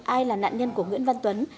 ai là nạn nhân của nguyễn văn tuấn